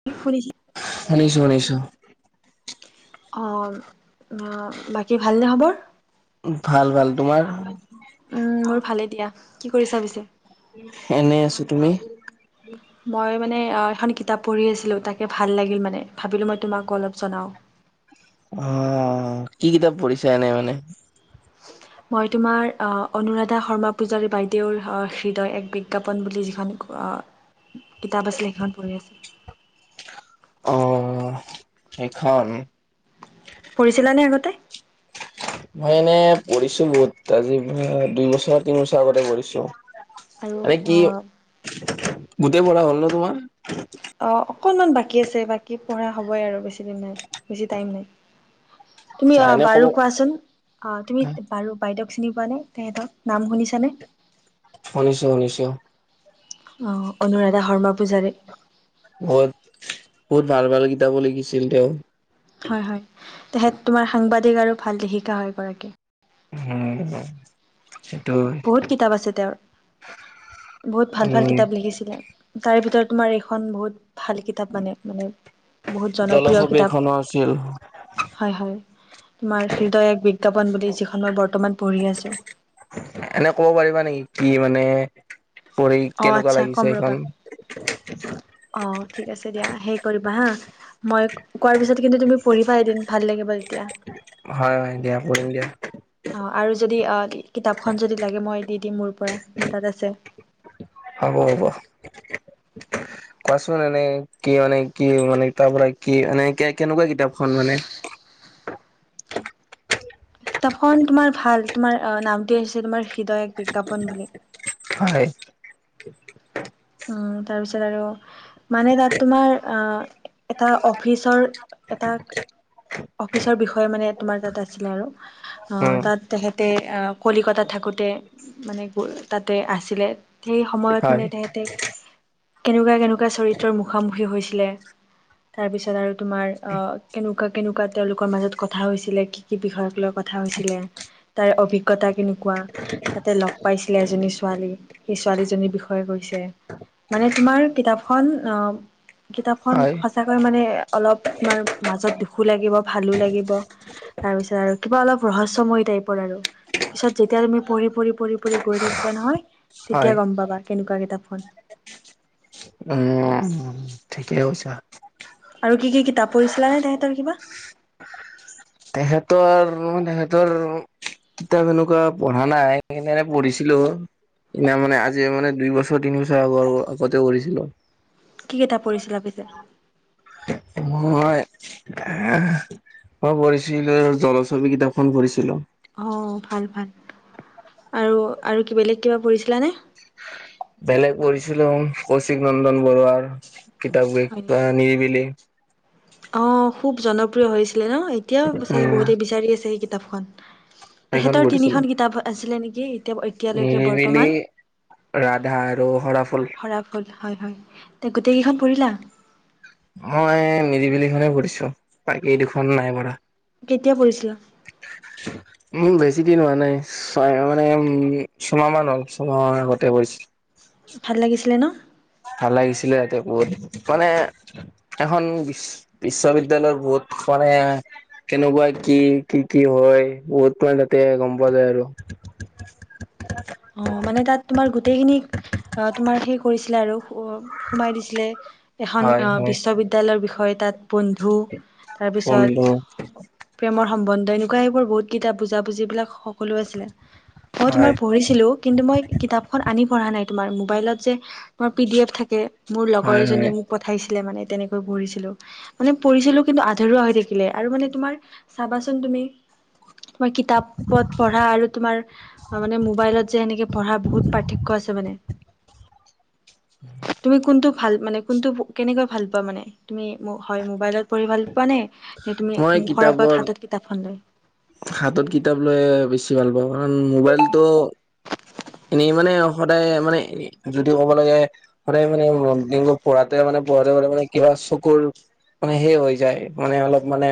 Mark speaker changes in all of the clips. Speaker 1: [unintelligible]
Speaker 2: শুনিছোঁ, শুনিছোঁ।
Speaker 1: অ', অ', বাকী ভালনে খবৰ?
Speaker 2: ভাল, ভাল, তোমাৰ?
Speaker 1: উম, মোৰ ভালে দিয়া, কি কৰিছা পিছে?
Speaker 2: এনে আছোঁ তুমি?
Speaker 1: মই মানে আ এখন কিতাপ পঢ়ি আছিলোঁ, তাকে ভাল লাগিল মানে, ভাবিলোঁ মই তোমাক অলপ জনাওঁ।
Speaker 2: অহ, অ', কি কিতাপ পঢ়িছা এনে মানে?
Speaker 1: উ [unintelligible] মই তোমাৰ অ', অনুৰাধা শৰ্মা পূজাৰী বাইদেউৰ হ হৃদয় এক বিজ্ঞাপন বুলি যিখন অ', কিতাপ আছিলে সেইখন পঢ়ি আছিলোঁ।
Speaker 2: অ', সেইখন।
Speaker 1: পঢ়িছিলানে আগতে?
Speaker 2: মই এনে পঢ়িছোঁ বহুত আজি পৰা দুইবছৰ, তিনি বছৰ আগতে পঢ়িছোঁ।
Speaker 1: আৰু
Speaker 2: এ কি
Speaker 1: অ
Speaker 2: গোটেই পঢ়া হ'লনে তোমাৰ?
Speaker 1: অ', অকনমান বাকী আছে বাকী পঢ়া হ'বই আৰু বেছি দিন নাই, বেছি টাইম নাই। তুমি অ',
Speaker 2: এনে ক'ব
Speaker 1: বাৰু কোৱাচোন? অ', তুমি বাৰু বাইদেউক চিনি পোৱা নে, তেখেতৰ নাম শুনিছানে?
Speaker 2: শুনিছোঁ, শুনিছোঁ।
Speaker 1: অ', অনুৰাধা শৰ্মা পূজাৰী।
Speaker 2: বহুত, বহুত ভাল, ভাল কিতাপো লিখিছিল তেওঁ।
Speaker 1: হয়, হয়, তেখেত তোমাৰ সাংবাদিক আৰু ভাল লেখিকা হয় এগৰাকী।
Speaker 2: হম।
Speaker 1: বহুত কিতাপ আছে তেওঁৰ, বহুত ভাল ভাল
Speaker 2: উম
Speaker 1: কিতাপ লিখিছিলে। তাৰে ভিতৰত তোমাৰ এইখন বহুত ভাল কিতাপ মানে, মানে। বহুত জনপ্ৰিয়
Speaker 2: জলছবি
Speaker 1: কিতাপ।
Speaker 2: এখনো আছিল
Speaker 1: হয়, হয়, তোমাৰ হৃদয় এক বিজ্ঞাপন বুলি যি খন মই বৰ্তমান পঢ়ি আছোঁ।
Speaker 2: এনে ক'ব পাৰিবা নেকি, কি মানে পঢ়ি
Speaker 1: অঁ
Speaker 2: কেনেকুৱা
Speaker 1: আচ্ছা
Speaker 2: লাগিছে সিখন? [unintelligible]
Speaker 1: অ', ঠিক আছে দিয়া হেই কৰিবা হা মই কোৱাৰ পিছত কিন্তু তুমি পঢ়িবা এদিন ভাল লাগিব তেতিয়া।
Speaker 2: হয়, হয়, দিয়া পঢ়িম দিয়া।
Speaker 1: অ', আৰু যদি অ', কিতাপখন যদি লাগে মই দি দিম মোৰ পৰা, মোৰ তাত আছে।
Speaker 2: হ'ব, হ'ব।
Speaker 1: [inaudible]
Speaker 2: কোৱাচোন এনে কি মানে, কি মানে তাৰ পৰা কি এনে কে-কেনেকুৱা কিতাপখন মানে?
Speaker 1: কিতাপখন তোমাৰ ভাল তোমাৰ নামটোৱে হৈছে তোমাৰ হৃদয় এক বিজ্ঞাপন বুলি।
Speaker 2: হয়।
Speaker 1: উম, তাৰপিছত আৰু মানে তাত তোমাৰ আ এটা অফিচৰ এটা অফিচৰ বিষয়ে মানে তোমাৰ তাত আছিলে আৰু। অ
Speaker 2: উম
Speaker 1: তাত তেখেতে কলিকতাত থাকোঁতে মানে তাতে [unintelligible] আছিলে। সেই সময়ত
Speaker 2: হয়
Speaker 1: মানে তেখেতে কেনেকুৱা কেনেকুৱা চৰিত্ৰৰ মুখামুখি হৈছিলে তাৰপিছত আৰু তোমাৰ আ কেনেকুৱা কেনেকুৱা তেওঁলোকৰ মাজত কথা হৈছিলে কি কি বিষয়ক লৈ কথা হৈছিলে তাৰ অভিজ্ঞতা কেনেকুৱা? তাতে লগ পাইছিলে এজনী ছোৱালী সেই ছোৱালীজনীৰ বিষয়ে কৈছে। মানে তোমাৰ কিতাপখন অ কিতাপখন
Speaker 2: হয়
Speaker 1: সঁচাকৈ মানে অলপ তোমাৰ মাজত দুখো লাগিব ভালো লাগিব। তাৰপিছত আৰু কিবা ৰহস্যময়ী টাইপৰ আৰু। পিছত যেতিয়া তুমি পঢ়ি পঢ়ি পঢ়ি পঢ়ি গৈ থাকিবা নহয়
Speaker 2: হয়
Speaker 1: তেতিয়া গম পাবা কেনেকুৱা কিতাপখন।
Speaker 2: উম, ঠিকেই কৈছা।
Speaker 1: আৰু কি কি কিতাপ পঢ়িছিলা নে তেখেতৰ কিবা?
Speaker 2: তেখেতৰ [unintelligible] তেখেতৰ কিতাপ এনেকুৱা পঢ়া নাই [unintelligible] পঢ়িছিলো [unintelligible] মানে আজি মানে দুই বছৰ তিনি বছৰ আগৰ আগতে কৰিছিলো।
Speaker 1: কি কিতাপ পঢ়িছিলা পিছে?
Speaker 2: মই [inaudible] মই পঢ়িছিলো জলছবি কিতাপখন পঢ়িছিলো।
Speaker 1: অ ভাল ভাল আৰু আৰু বেলেগ কিবা পঢ়িছিলা নে?
Speaker 2: [inaudible] বেলেগ পঢ়িছিলো কৌশিক নন্দন বৰুৱাৰ কিতাপ [unintelligible] নিৰিবিলি।
Speaker 1: অঁ খুব জনপ্ৰিয় হৈছিলে ন এতিয়াও চাগে
Speaker 2: উম
Speaker 1: বহুতে বিচাৰি আছে সেই কিতাপখন।
Speaker 2: সেইখন
Speaker 1: তেখেতৰ
Speaker 2: পঢ়িছিলো
Speaker 1: তিনিখন কিতাপ আছিলে নেকি? এতিয়ালৈকে
Speaker 2: নিৰিবিলি
Speaker 1: বৰ্তমান
Speaker 2: ৰাধা আৰু সৰাফুল
Speaker 1: [unintelligible] হয়, হয় তে গোটেইকেইখন পঢ়িলা?
Speaker 2: মই নিৰিবিলি খনেই পঢ়িছো বাকী দুখন নাই পঢ়া।
Speaker 1: কেতিয়া পঢ়িছিলা?
Speaker 2: [unintelligible] বেছি দিন হোৱা নাই ছয় মানে উম ছমাহ মান হ'ল ছমাহ মানৰ আগতে পঢ়িছো।
Speaker 1: ভাল লাগিছিলে ন।
Speaker 2: ভাল লাগিছিলে [unintelligible] বহুত মানে এখন বিশ্ববিদ্যালয়ত বহুত মানে কেনেকুৱা কি কি কি হয় বহুত মানে তাতে গম পোৱা যায় আৰু।
Speaker 1: অ মানে তাত তোমাৰ গোটেইখিনি অ তোমাৰ সেই কৰিছিলে আৰু সোমাই দিছিলে এখন
Speaker 2: হয় হয়
Speaker 1: বিশ্ববিদ্যালয়ৰ বিষয়ে তাত বন্ধু তাৰপিছত
Speaker 2: বন্ধু
Speaker 1: প্ৰেমৰ সম্বন্ধ এনেকুৱা সেইবোৰ বহুত কিতাপ বুজা বুজি বিলাক সকলো আছিলে মই তোমাৰ
Speaker 2: হয়
Speaker 1: পঢ়ি -ছিলো কিন্তু মই কিতাপখন আনি পঢ়া নাই তোমাৰ মোবাইলত যে তোমাৰ পি ডি এফ থাকে মোৰ লগৰ
Speaker 2: হয় হয়
Speaker 1: এজনীয়ে মোক পঠাইছিলে মানে তেনেকৈ পঢ়িছিলো। মানে পৰিছিলো কিন্তু আধৰুৱা হৈ থাকিলে। আৰু মানে তোমাৰ চাবাচোন তুমি তোমাৰ কিতাপত পঢ়া আৰু তোমাৰ মানে ম'বাইলত যে এনেকে পঢ়াৰ বহুত পাৰ্থক্য আছে মানে। তুমি কোনটো ভাল মানে কোনটো কেনেকৈ ভাল পোৱা মানে? তুমি হয় ম'বাইলত পঢ়ি ভাল পোৱা নে? তে তুমি
Speaker 2: মই
Speaker 1: মুখৰ
Speaker 2: কিতাপৰ
Speaker 1: আগত হাতত কিতাপখন লৈ?
Speaker 2: হাতত কিতাপ লৈয়ে বেছি ভাল পাওঁ। কাৰণ ম'বাইলটো এনেই মানে সদায়, মানে যদিও ক'ব লাগে সদায় মানে মৰ্নিং পঢ়াতে মানে পঢ়াতে পঢ়াতে কিবা চকুৰ মানে সেই হৈ যায়। মানে অলপ মানে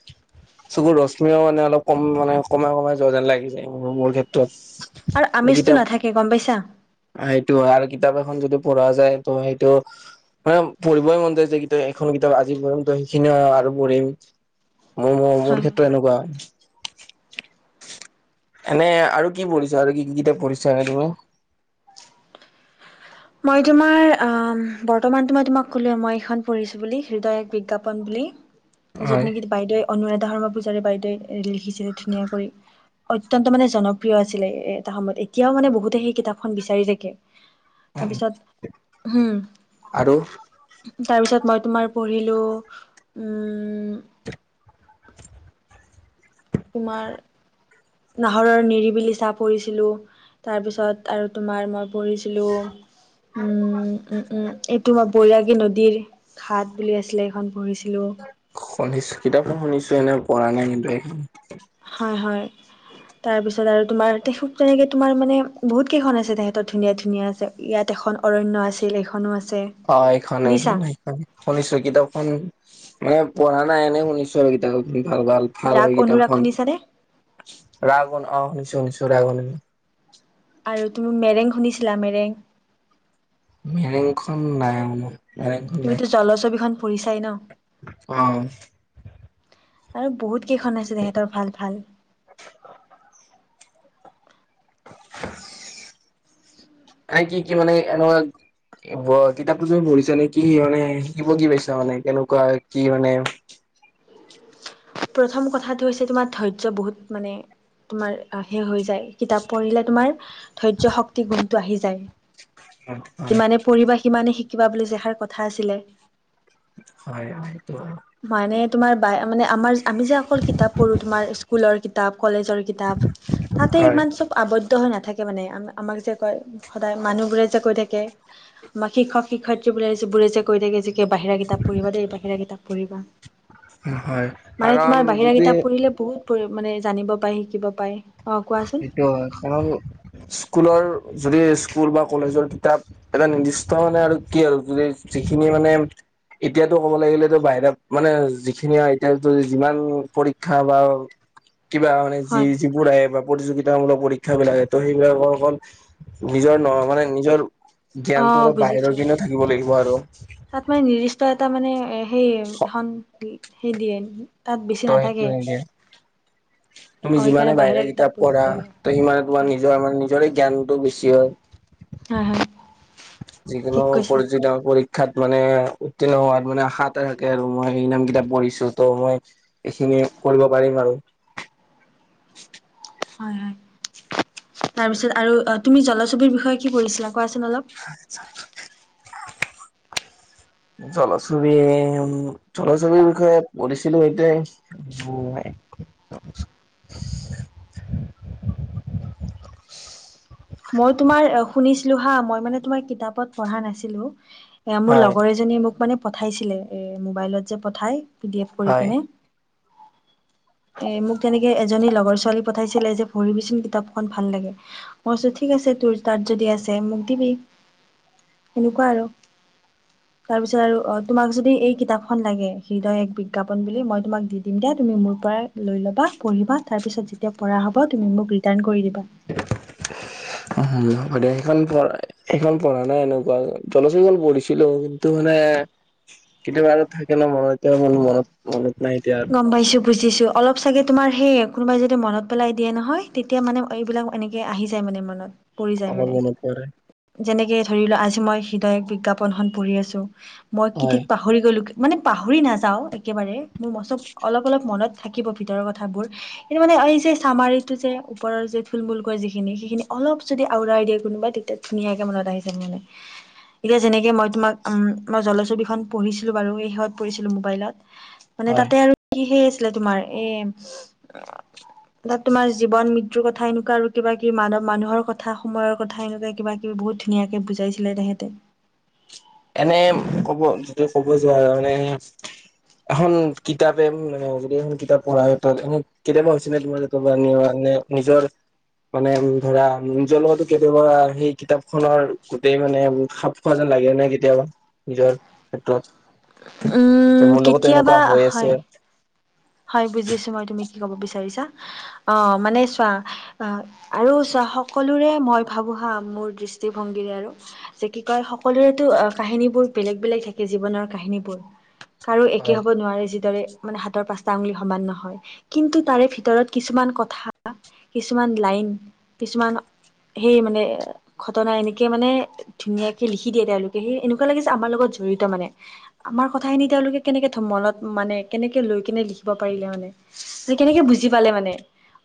Speaker 1: [inaudible]
Speaker 2: চুকুৰ ৰশ্মিও মানে অলপ কম মানে, কমাই কমাই যোৱা যেন লাগি যায় মোৰ ক্ষেত্ৰত।
Speaker 1: আৰু
Speaker 2: নে
Speaker 1: আমেজটো
Speaker 2: কিতাপ
Speaker 1: নাথাকে গম পাইছা
Speaker 2: আ সেইটো হয়। আৰু কিতাপ এখন যদি পঢ়া যায়, ত' সেইটো মানে পঢ়িবই মন যায় যে, কিতা এখন কিতাপ আজি পঢ়িম ত' সেইখিনিও আৰু পঢ়িম। ময়ো অ' মোৰ
Speaker 1: হয় হয়।
Speaker 2: ক্ষেত্ৰত এনেকুৱা। এনে আৰু কি পঢ়িছা? আৰু কি কি কিতাপ পঢ়িছা এ তুমি?
Speaker 1: মই তোমাৰ আহ! বৰ্তমানটো মই তোমাক ক'লোৱে মই এইখন পঢ়িছোঁ বুলি হৃদয় এক বিজ্ঞাপন বুলি।
Speaker 2: হয়
Speaker 1: য'ত নেকি বাইদেৱে অনুৰাধা শৰ্মা পূজাৰি বাইদেৱে লিখিছিলে ধুনীয়া কৰি। অত্যন্ত মানে জনপ্ৰিয় আছিল এটা সময়ত। এতিয়াও মানে বহুতে সেই কিতাপখন বিচাৰি থাকে। তাৰপিছত হম।
Speaker 2: আৰু
Speaker 1: তাৰপিছত মই তোমাৰ পঢ়িলো, উম তোমাৰ নাহৰৰ নিৰিবিলি ছাঁ পঢ়িছিলোঁ। তাৰপিছত আৰু তোমাৰ মই পঢ়িছিলোঁ উম, উম, উম এই তোমাৰ বৈৰাগী নদীৰ। ঘাট বুলি আছিলে, এইখন পঢ়িছিলোঁ।
Speaker 2: শুনিছো, কিতাপখন শুনিছো। এনেই পঢ়া নাই কিন্তু এই।
Speaker 1: হয়, হয়। তাৰপিছত আৰু তোমাৰ তেখেত তেনেকে তোমাৰ মানে, বহুত কেইখন আছে তেখেতৰ ধুনীয়া, ধুনীয়া আছে। ইয়াত এখন অৰণ্য আছিল এইখনো আছে।
Speaker 2: অ' এই খন,
Speaker 1: শুনিছা
Speaker 2: এইখনেই। শুনিছো। কিতাপখন মানে পঢ়া নাই এনে শুনিছো আৰু কিতাপখন ভাল, ভাল। ভাল
Speaker 1: ৰাগ
Speaker 2: হয়
Speaker 1: অনুৰাগ
Speaker 2: কিতাপখন।
Speaker 1: শুনিছানে
Speaker 2: ৰাগন অ' শুনিছো, শুনিছো ৰাগন।
Speaker 1: আৰু তুমি মেৰেং শুনিছিলা, মেৰেং?
Speaker 2: মেৰেংখন নাই মনত নাই, মেৰেংখন নাই।
Speaker 1: জলছবিখন পঢ়িছাই ন'?
Speaker 2: অ'।
Speaker 1: আৰু বহুত কেইখন আছে তেখেতৰ ভাল ভাল। [inaudible]
Speaker 2: তাই কি কি মানে এনেৱাত কি ব' কিতাপটো তুমি পঢ়িছা নে কি মানে, শিকিব কি পাইছা মানে, কেনেকুৱা কি মানে?
Speaker 1: প্ৰথম কথাটো হৈছে তোমাৰ ধৈৰ্য বহুত মানে তোমাৰ আ সেই হৈ যায়। কিতাপ পঢ়িলে তোমাৰ ধৈৰ্য্য শক্তি গুণটো আহি যায়।
Speaker 2: হয়
Speaker 1: যিমানে পঢ়িবা সিমানে শিকিবা বুলি যে এষাৰ কথা আছিলে।
Speaker 2: হয়, হয়। কোৱা।
Speaker 1: মানে তোমাৰ বাই মানে আমাৰ আমি যে অকল কিতাপ পঢ়ো। তোমাৰ স্কুলৰ কিতাপ, কলেজৰ কিতাপ, তাতে
Speaker 2: হয়
Speaker 1: ইমান চব আৱদ্ধ হৈ নাথাকে মানে। আমা, আমাক যে কয় সদায় মানুহবোৰে যে কৈ থাকে বা শিক্ষক- শিক্ষয়িত্ৰীবোৰে বোৰে যে কৈ থাকে, যে বাহিৰা কিতাপ পঢ়িবা দেই, বাহিৰা কিতাপ পঢ়িবা।
Speaker 2: হয়।
Speaker 1: মানে
Speaker 2: কাৰণ
Speaker 1: তোমাৰ বাহিৰা
Speaker 2: যদি
Speaker 1: কিতাপ পঢ়িলে বহুত পঢ়ি মানে জানিব পাৰি, শিকিব পাৰি অ' কোৱাছোন?
Speaker 2: অ' কাৰণ স্কুলৰ যদি স্কুল বা কলেজৰ কিতাপ এটা নিৰ্দিষ্ট মানে আৰু কি আৰু যদি যিখিনি মানে এতিয়াতো ক'ব লাগিলেতো বাহিৰা, মানে যিখিনি আৰু এতিয়াতো যিমান পৰীক্ষা বা কিবা মানে যি
Speaker 1: হয়
Speaker 2: যিবোৰ আহে বা প্ৰতিযোগিতা মূলক পৰীক্ষা বিলাকে তোৰ সেইবিলাকৰ অকল নিজৰ ন মানে নিজৰ
Speaker 1: অ
Speaker 2: জ্ঞানতো অলপ
Speaker 1: বুজিছো
Speaker 2: বাহিৰৰ পিনেও থাকিব লাগিব আৰু
Speaker 1: তাত মানে নিৰ্দিষ্ট এটা মানে সেই এখন হেই দিয়ে। তাত বেছি
Speaker 2: ত সেইটো
Speaker 1: নাথাকে।
Speaker 2: নিদিয়ে তুমি
Speaker 1: অ সেইকাৰণে
Speaker 2: যিমানে বাহিৰা কিতাপ
Speaker 1: পঢ়িব
Speaker 2: পঢ়া
Speaker 1: লাগে
Speaker 2: তোৰ সিমানে তোমাৰ
Speaker 1: হয়
Speaker 2: নিজৰ মানে ৰে জ্ঞানটো বেছি হয়।
Speaker 1: হয়, হয়।
Speaker 2: যিকোনো
Speaker 1: ঠিক কৈছা
Speaker 2: পঞ্জিকা পঢ়ি পৰীক্ষাত মানে উত্তীৰ্ণ হোৱাত মানে হাত এটা থাকে আৰু মই এই ইমানকিটা কিতাপ পঢ়িছো তোৰ মই এইখিনি কৰিব পাৰিম আৰু
Speaker 1: হয়, হয়। তাৰপিছত আৰু অ' তুমি জলছবিৰ বিষয়ে কি পঢ়িছিলা কোৱাচোন অলপ
Speaker 2: [unintelligible]
Speaker 1: [unintelligible]
Speaker 2: জলছবি উম, জলছবিৰ বিষয়ে পঢ়িছিলোঁ এইটোৱে [unintelligible]
Speaker 1: মই তোমাৰ শুনিছিলোঁ হা, মই মানে তোমাৰ কিতাপত পঢ়া নাছিলোঁ। এই মোৰ
Speaker 2: হয়
Speaker 1: লগৰ এজনীয়ে মোক পঠাইছিলে এ মোবাইলত পঠাই পিডিএফ এ কৰি
Speaker 2: হয়
Speaker 1: কেনে [unintelligible] এই মোক তেনেকে এজনী লগৰ ছোৱালী পঠাইছিলে। যে ভৰি বিচোন কিতাপখনৰ পঢ়ি ভাল লাগে। মই কৈছোঁ ঠিক আছে, তোৰ তাত যদি আছে, মোক দিবি সেনেকুৱা আৰু [unintelligible] তাৰপিছত আৰু তোমাক যদি এই কিতাপখন লাগে। হৃদয় এক বিজ্ঞাপন বুলি মই তোমাক দি দিম দিয়া তুমি মোৰ পৰা লৈ ল'বা, পঢ়িবা। তাৰপিছত যেতিয়া পঢ়া হ'ব তুমি মোক ৰিটাৰ্ণ কৰি দিবা।
Speaker 2: উম, গোটেই কেইখন, সেইখন পঢ়া সেইখন পঢ়া নাই। এনেকুৱা জলচিঘল পঢ়িছিলোঁ। টোৰ মানে কেতিয়াবা আৰু থাকে ন, মনত এতিয়া মনত, মনত নাই এতিয়া।
Speaker 1: গ'ম পাইছোঁ, বুজিছো। অলপ চাগৈ তোমাৰ সেই কোনোবাই যদি মনত পেলাই দিয়ে নহয় তেতিয়া মানে এইবিলাক এনেকে আহি যায় মানে মনত। পৰি যায়
Speaker 2: অলপ
Speaker 1: মানে,
Speaker 2: মনত পৰে
Speaker 1: যেনেকে ধৰি লোৱা আজি মই হৃদয় বিজ্ঞাপনখন পঢ়ি আছোঁ। মই কি
Speaker 2: হয়
Speaker 1: ঠিক পাহৰি গলোঁ মানে, পাহৰি নাযাওঁ একেবাৰে মোৰ মৰচুক অলপ অলপ মনত থাকিব ভিতৰৰ কথাবোৰ কিন্তু মানে এই যে চামাৰিটো যে ওপৰৰ যে থুলমূলকৈ যিখিনি সেইখিনি অলপ যদি আওঁৰাই দিয়ে, কোনোবা তেতিয়া ধুনীয়াকে মনত আহি যাব মানে এতিয়া যেনেকে মই তোমাক উম' মই জলছবিখন পঢ়িছিলোঁ বাৰু সেই শেহত পঢ়িছিলোঁ মোবাইলত। মানে
Speaker 2: হয়
Speaker 1: তাতে আৰু কি সেই আছিলে তোমাৰ এই তাত তোমাৰ জীৱন মৃত্যুৰ কথা এনেকুৱা আৰু কিবা কিব মানৱ মানুহৰ কথা সময়ৰ কথা এনেকুৱা কিবাকিবি বহুত ধুনীয়াকে বুজাইছিলে তেখেতে।
Speaker 2: এনে ক'ব যিটো ক'ব যে মানে এখন কিতাপে মানে যদি এখন কিতাপ পঢ়া হয়। তাত তোমি কেতিয়াবা হৈ হৈছে নে তোমাৰ নিজৰ মানে ধৰা নিজৰ লগতো কেতিয়াবা। সেই কিতাপ খনৰ গোটেই মানে খাপ। হয় যেন লাগে নে কেতিয়াবা নিজৰ ক্ষেত্ৰত।
Speaker 1: উম
Speaker 2: যে মোৰ লগত
Speaker 1: কেতিয়াবা
Speaker 2: এনেকুৱা হৈ
Speaker 1: হয়
Speaker 2: আছে।
Speaker 1: হয় বুজিছো মই তুমি কি কব বিচাৰিছা অ' মানে চোৱা অ আৰু চোৱা সকলোৰে মই ভাবো হা মোৰ দৃষ্টিভংগীৰে আৰু যে কি কয় সকলোৰেতো কাহিনীবোৰ বেলেগ বেলেগ থাকে জীৱনৰ কাহিনীবোৰ! কাৰো একে
Speaker 2: হয়
Speaker 1: হ'ব নোৱাৰে যিদৰে মানে হাতৰ পাঁচটা আঙুলি সমান নহয় কিন্তু, তাৰে ভিতৰত কিছুমান কথা কিছুমান লাইন কিছুমান সেই মানে ঘটনা এনেকে মানে ধুনীয়াকে লিখি দিয়ে তেওঁলোকে সেই এনেকুৱা যে আমাৰ লগত জড়িত মানে আমাৰ কথাখিনি তেওঁলোকে কেনেকে ধমলত মানে কেনেকে লৈ কেনে লিখিব পাৰিলে মানে যে কেনেকে বুজি পালে মানে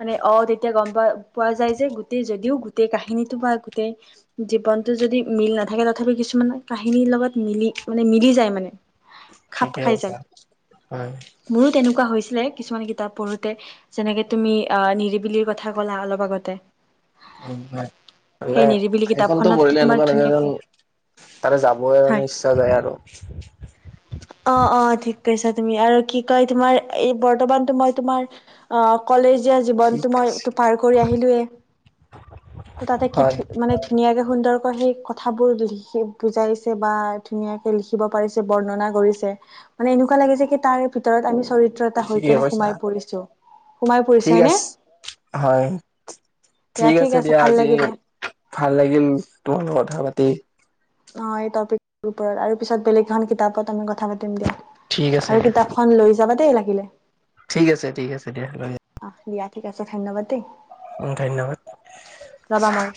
Speaker 1: মানে অ'তেতিয়া গম পোৱা পোৱা যায় যে গোটেই যদিও গোটেই কাহিনীটো বা গোটেই জীৱনটো যদি মিল নাথাকে তথাপিও কিছুমান কাহিনীৰ লগত মিলি মানে মিলি যায় মানে খাপ
Speaker 2: ঠিকে
Speaker 1: খাই
Speaker 2: কৈছা
Speaker 1: যায়
Speaker 2: হয়
Speaker 1: মোৰো তেনেকুৱা হৈছিলে কিছুমান কিতাপ পঢ়োঁতে যেনেকে তুমি অ নিৰিবিলিৰ কথা ক'লা অলপ আগতে
Speaker 2: উম হয় মানে
Speaker 1: সেই নিৰিবিলি
Speaker 2: সেই খনটো
Speaker 1: কিতাপখনত
Speaker 2: পঢ়িলে
Speaker 1: তোমাৰ
Speaker 2: এনেকুৱা লাগে যেন
Speaker 1: ধুনীয়াকে
Speaker 2: তাৰে যাবই
Speaker 1: হয়।
Speaker 2: মানে ইচ্ছা যায় আৰু
Speaker 1: অ' অ ঠিক কৈছা তুমি আৰু কি কয় তোমাৰ এই বৰ্তমানতো মই তোমাৰ তোমাৰ অ কলেজীয়া
Speaker 2: ঠিক
Speaker 1: জীৱনটো মই
Speaker 2: আছে
Speaker 1: মইটো পাৰ কৰি আহিলোয়ে ত 'তাতে কি
Speaker 2: হয়
Speaker 1: ধু মানে ধুনীয়াকে সুন্দৰকৈ সেই কথাবোৰ লিখি বুজাইছে বা ধুনীয়াকে লিখি দিব পাৰিছে বৰ্ণনা কৰিছে মানে এনেকুৱা লাগে যে কি তাৰ ভিতৰত আমি চৰিত্ৰ এটা হৈ
Speaker 2: ঠিকে
Speaker 1: কিনে
Speaker 2: কৈছা
Speaker 1: সোমাই পৰিছোঁ
Speaker 2: ঠিক আছে হয় ঠিক আছে দিয়া আজি ভাল লাগিল তোমাৰ লগত কথা পাতি
Speaker 1: অ' এই টপিকৰ ওপৰত আৰু পিছত বেলেগ এখন কিতাপত আমি কথা পাতিম দিয়া!
Speaker 2: ঠিক আছে
Speaker 1: আৰু
Speaker 2: দিয়া
Speaker 1: কিতাপখন লৈ যাবা দেই লাগিলে
Speaker 2: ঠিক আছে ঠিক আছে দিয়া ৰাখিছো
Speaker 1: অ' দিয়া ঠিক আছে ধন্যবাদ দেই!
Speaker 2: উম ধন্যবাদ!
Speaker 1: ৰবা মই